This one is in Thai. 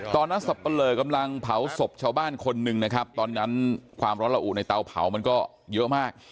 สับปะเลอกำลังเผาศพชาวบ้านคนหนึ่งนะครับตอนนั้นความร้อนละอุในเตาเผามันก็เยอะมาก